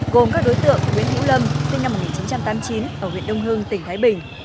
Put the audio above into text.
gồm các đối tượng nguyễn hữu lâm sinh năm một nghìn chín trăm tám mươi chín ở huyện đông hưng tỉnh thái bình